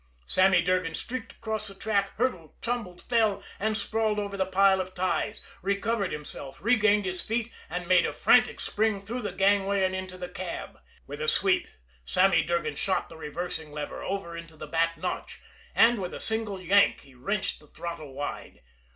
Sammy Durgan streaked across the track, hurdled, tumbled, fell, and sprawled over the pile of ties, recovered himself, regained his feet, and made a frantic spring through the gangway and into the cab. With a sweep Sammy Durgan shot the reversing lever over into the back notch, and with a single yank he wrenched the throttle wide.